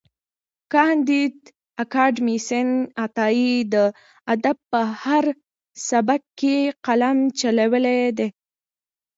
کانديد اکاډميسن عطايي د ادب په هر سبک کې قلم چلولی دی.